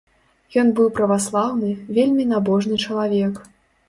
Ён быў праваслаўны, вельмі набожны чалавек.